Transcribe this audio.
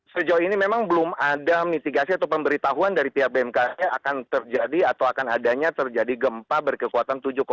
sejauh ini memang belum ada mitigasi atau pemberitahuan dari pihak bmkg akan terjadi atau akan adanya terjadi gempa berkekuatan tujuh empat